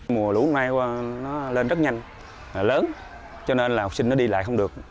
mùa lũ hôm nay lên rất nhanh lớn cho nên là học sinh đi lại không được